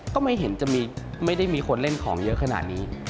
ก็ไม่เห็นจะไม่ได้มีคนเล่นของเยอะขนาดนี้